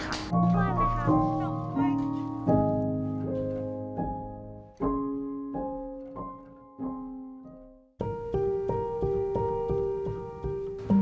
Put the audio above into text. ช่วยมั้ยคะ